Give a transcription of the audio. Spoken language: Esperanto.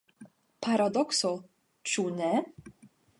Paradokso, ĉu ne?